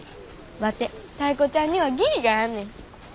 ワテタイ子ちゃんには義理があんねん。